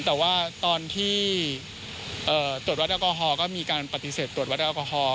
แต่ว่าตอนที่ตรวจวัดแอลกอฮอลก็มีการปฏิเสธตรวจวัดแอลกอฮอล